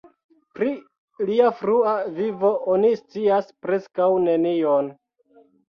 Pri lia frua vivo oni scias preskaŭ nenion.